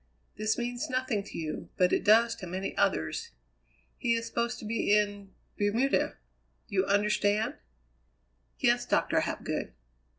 This means nothing to you, but it does to many others. He is supposed to be in Bermuda. You understand?" "Yes, Doctor Hapgood."